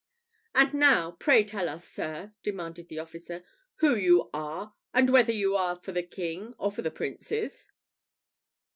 "And now, pray tell us, sir," demanded the officer, "who you are, and whether you are for the king or the Princes?"